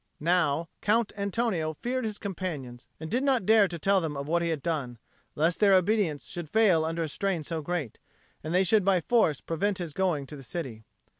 Now Count Antonio feared his companions and did not dare to tell them of what he had done, lest their obedience should fail under a strain so great, and they should by force prevent his going to the city.